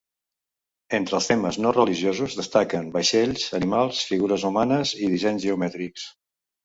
Entre els temes no religiosos destaquen vaixells, animals, figures humanes i dissenys geomètrics.